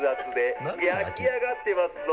焼き上がってますぞ！